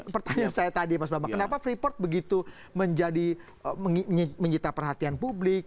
pertanyaan saya tadi mas bambang kenapa freeport begitu menjadi menyita perhatian publik